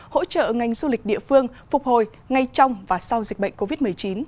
hỗ trợ ngành du lịch địa phương phục hồi ngay trong và sau dịch bệnh covid một mươi chín